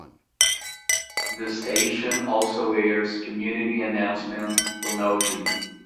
The station also airs community announcements for no fee.